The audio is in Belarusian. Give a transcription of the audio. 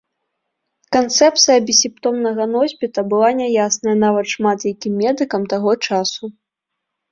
Канцэпцыя бессімптомнага носьбіта была няясная нават шмат якім медыкам таго часу.